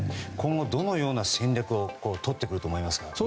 今後どのような戦略をとってくると思いますか？